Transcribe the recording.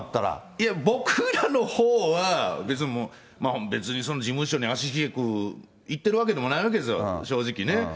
いや、僕らのほうは、別にもう、別に事務所に足しげくいってるわけでもないわけですよ、正直ね。